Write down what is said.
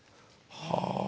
はあ。